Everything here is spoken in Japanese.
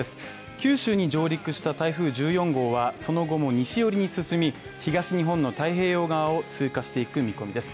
九州に上陸した台風１４号はその後も西寄りに進み東日本の太平洋側を通過していく見込みです。